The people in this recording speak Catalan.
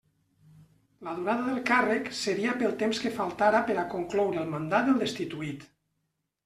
La durada del càrrec seria pel temps que faltara per a concloure el mandat del destituït.